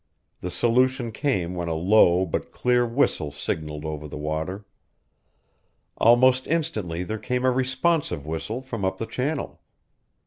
The solution came when a low but clear whistle signaled over the water. Almost instantly there came a responsive whistle from up the channel.